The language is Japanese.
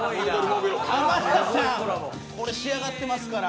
浜田さん仕上がってますから。